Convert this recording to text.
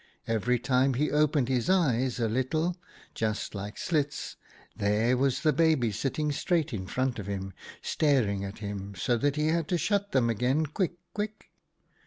Every time he opened his eyes a little, just like slits, there was the baby sitting straight in front of him, staring at him so that he had to shut them again quick, quick.